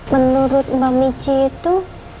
menurut mbak mici itu